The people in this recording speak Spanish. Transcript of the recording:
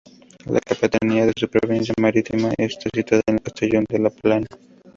La capitanía de esta provincia marítima está situada en Castellón de la Plana.